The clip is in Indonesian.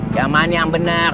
cuman yang bener